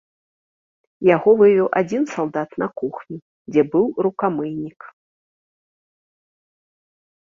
Яго вывеў адзін салдат на кухню, дзе быў рукамыйнік.